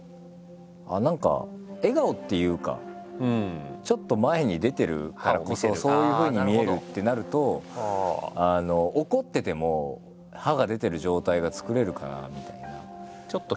何か笑顔っていうかちょっと前に出てるからこそそういうふうに見えるってなると怒ってても歯が出てる状態が作れるかなみたいな。